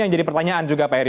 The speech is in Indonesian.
jadi pertanyaan juga pak eri